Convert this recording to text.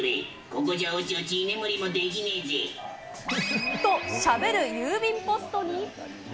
ここじゃおちおち居眠りもできねーぜ。と、しゃべる郵便ポストに。